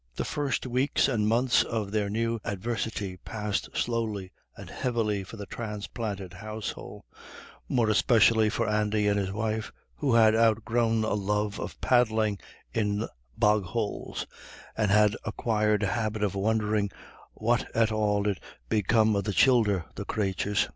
The first weeks and months of their new adversity passed slowly and heavily for the transplanted household, more especially for Andy and his wife, who had outgrown a love of paddling in bogholes, and had acquired a habit of wondering "what at all 'ud become of the childer, the crathurs."